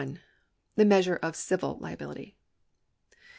The Measure of Civil Liability.